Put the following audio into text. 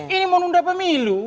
ini mau menunda pemilu